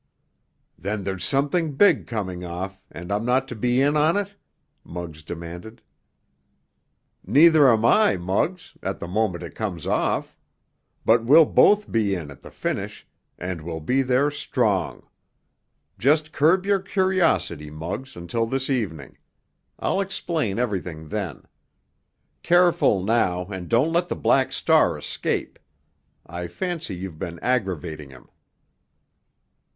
"Then there's something big coming off, and I'm not to be in on it?" Muggs demanded. "Neither am I, Muggs—at the moment it comes off. But we'll both be in at the finish—and we'll be there strong. Just curb your curiosity, Muggs, until this evening. I'll explain everything then. Careful, now, and don't let the Black Star escape. I fancy you've been aggravating him."